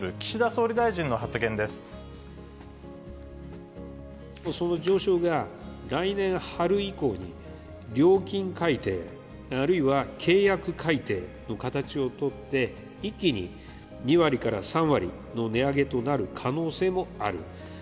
その上昇が来年春以降に料金改定、あるいは契約改定の形を取って、一気に２割から３割の値上げとなる可能性もある。